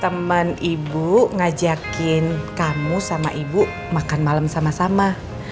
teman ibu ngajakin kamu sama ibu makan malam sama sama